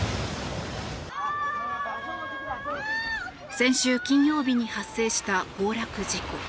先週金曜日に発生した崩落事故。